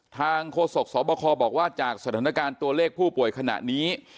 โฆษกสบคบอกว่าจากสถานการณ์ตัวเลขผู้ป่วยขณะนี้